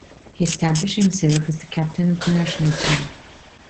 He established himself as the captain of the national team.